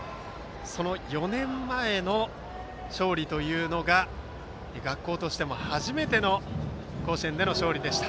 その４年前の勝利というのが学校としても初めての甲子園での勝利でした。